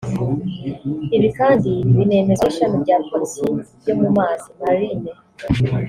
Ibi kandi binemezwa n’ishami rya police yo mu mazi (Marine)